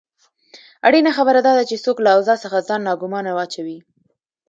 اړینه خبره داده چې څوک له اوضاع څخه ځان ناګومانه واچوي.